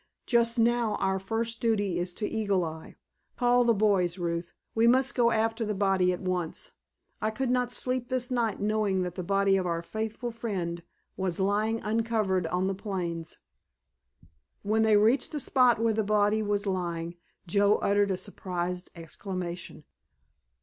Just now our first duty is to Eagle Eye. Call the boys, Ruth. We must go after the body at once. I could not sleep this night knowing that the body of our faithful friend was lying uncovered on the plains." When they reached the spot where the body was lying Joe uttered a surprised exclamation.